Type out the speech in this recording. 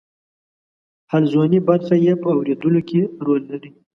حلزوني برخه یې په اوریدلو کې رول لري.